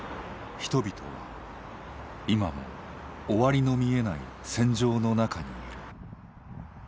人々は今も終わりの見えない戦場の中にいる。